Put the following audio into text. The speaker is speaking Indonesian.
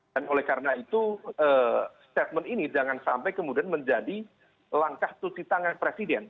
dan oleh karena itu statement ini jangan sampai kemudian menjadi langkah tuti tangan presiden